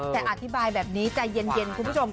แต่อธิบายแบบนี้ใจเย็นคุณผู้ชม